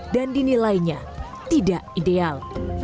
dan dinilainya tidak ideal